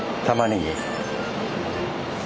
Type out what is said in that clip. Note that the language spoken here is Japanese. たまねぎ。